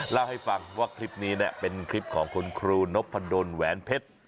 เล่าให้ฟังว่าคลิปนี้เป็นคลิปของคุณครูนพดลแหวนเพชร